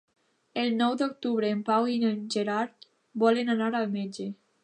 El nou d'octubre en Pau i en Gerard volen anar al metge.